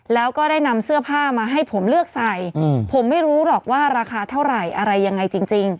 แล้วก็ได้นำเสื้อผ้ามาให้ผมเลือกใส่ผมไม่รู้หรอกว่าราคาเท่าไหร่อะไรยังไงจริง